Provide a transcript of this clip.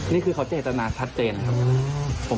นี่คือเขาเจตนาชัดเจนครับ